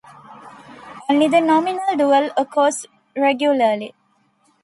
Only the nominal dual occurs regularly.